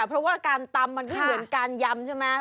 เพราะว่าการตำมันก็เหมือนการยำใช่ไหม